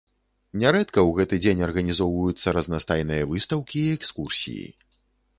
Нярэдка ў гэты дзень арганізоўваюцца разнастайныя выстаўкі і экскурсіі.